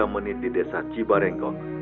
tiga menit di desa cibarenggok